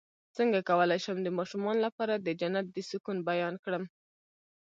څنګه کولی شم د ماشومانو لپاره د جنت د سکون بیان کړم